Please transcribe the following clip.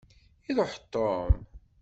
Iruḥ Tom.